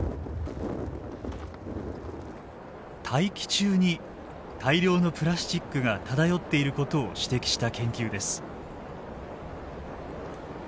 大気中に大量のプラスチックが漂っていることを指摘した研究です。